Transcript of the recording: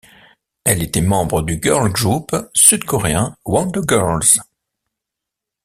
Elle était membre du girl group sud-coréen Wonder Girls.